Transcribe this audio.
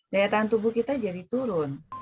daya tahan tubuh kita jadi turun